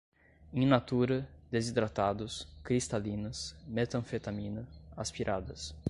in natura, desidratados, cristalinas, metanfetamina, aspiradas